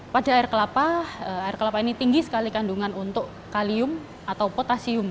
pada air kelapa air kelapa ini tinggi sekali kandungan untuk kalium atau potasium